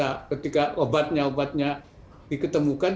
banyak yang tidak mau divaksin juga pada waktu obatnya diketemukan